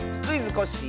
コッシー」